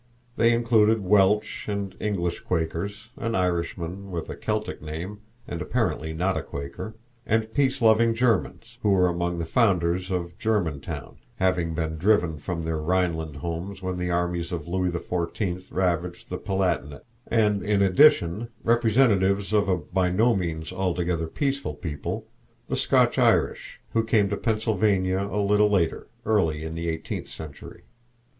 They included Welsh and English Quakers, an Irishman, with a Celtic name, and apparently not a Quaker, and peace loving Germans, who were among the founders of Germantown, having been driven from their Rhineland homes when the armies of Louis the Fourteenth ravaged the Palatinate; and, in addition, representatives of a by no means altogether peaceful people, the Scotch Irish, who came to Pennsylvania a little later, early in the eighteenth century.